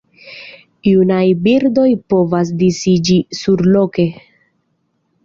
Junaj birdoj povas disiĝi surloke.